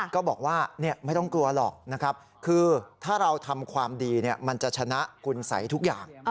ก็บอกว่าไม่ต้องกลัวหรอกนะครับคือถ้าเราทำความดีมันจะชนะคุณสัยทุกอย่าง